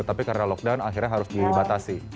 tapi karena lockdown akhirnya harus dibatasi